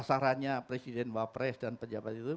pasca dulu sasarannya presiden wapres dan pejabat itu